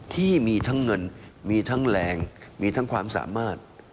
ที่มีทั้งเงินมีทั้งแรงมีทั้งความสามารถ